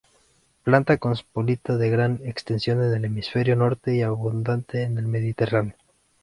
Planta cosmopolita de gran extensión en el hemisferio norte y abundante en el Mediterráneo.